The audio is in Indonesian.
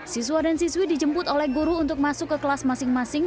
siswa dan siswi dijemput oleh guru untuk masuk ke kelas masing masing